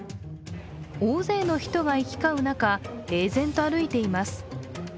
大勢の人が行き交う中平然と歩いています。